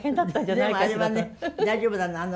でもあれはね大丈夫なの。